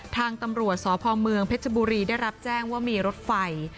ทางตำรวจสพเมืองเพชรบุรีได้รับแจ้งว่ามีรถไฟ